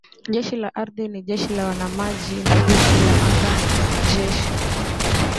Jeshi la Ardhi ni Jeshi la Wanamaji na Jeshi la Anga Jeshi